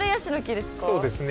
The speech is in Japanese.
そうですね。